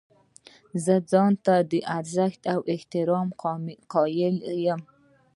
زه ځان ته د ارزښت او احترام قایل یم.